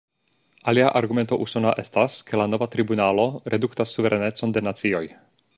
Alia argumento usona estas, ke la nova tribunalo reduktas suverenecon de nacioj.